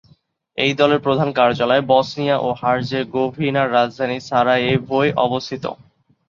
এই দলের প্রধান কার্যালয় বসনিয়া ও হার্জেগোভিনার রাজধানী সারায়েভোয় অবস্থিত।